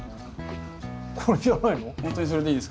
これじゃないの？